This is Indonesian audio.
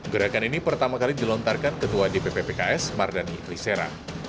gerakan ini pertama kali dilontarkan ketua dpp pks mardani klisera